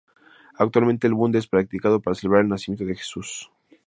Actualmente el bunde es practicado para celebrar el nacimiento de Jesús.